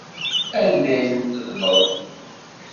Anda ay ten-tedleḍ?